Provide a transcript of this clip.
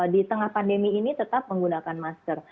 di tengah pandemi ini tetap menggunakan masker